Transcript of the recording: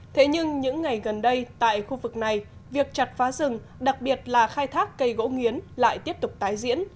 thế nhưng những ngày gần đây tại khu vực này việc chặt phá rừng đặc biệt là khai thác cây gỗ nghiến lại tiếp tục tái diễn